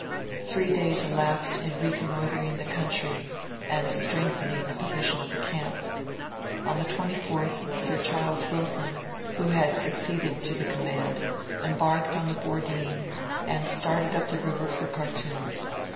Three days elapsed in reconnoitering the country, and strengthening the position of the camp. On the 24th, Sir Charles Wilson, who had succeeded to the command, embarked on the Bordeen, and started up the river for Khartoum.